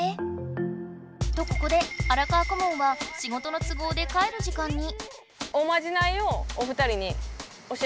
とここで荒川顧問はしごとのつ合で帰る時間に。